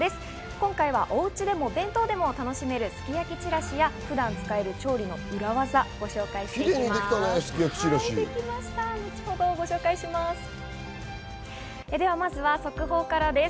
今回は、おうちでもお弁当でも楽しめるすき焼きちらしや、普段使える調理の裏技をご紹介します。